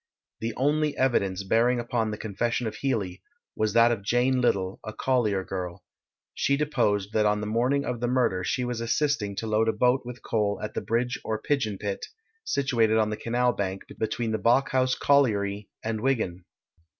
The only evidence bearing upon the confession of Healey, was that of Jane Little, a collier girl. She deposed that on the morning of the murder she was assisting to load a boat with coal at the Bridge or Pigeon Pit, situated on the canal bank, between the Bawkhouse Colliery and Wigan.